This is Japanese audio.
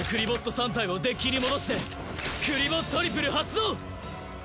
３体をデッキに戻してクリボットリプル発動！